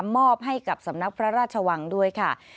มอบให้กับสำนักพระราชวังด้วยค่ะ